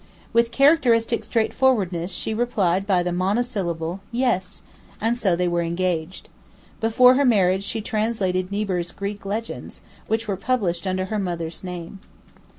With characteristic straightforwardness she replied by the monosyllable, 'Yes,' and so they were engaged. Before her marriage she translated Niebuhr's 'Greek Legends,' which were published under her mother's name.